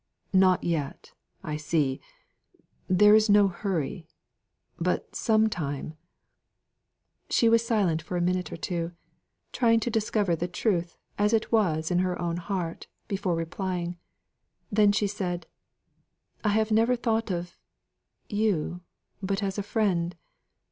Not yet, I see there is no hurry but some time " She was silent for a minute or two, trying to discover the truth as it was in her own heart, before replying, then she said: "I have never thought of you, but as a friend.